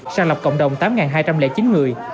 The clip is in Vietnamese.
sàng lọc cộng đồng tám hai trăm linh chín người